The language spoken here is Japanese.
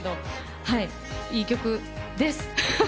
いい曲です。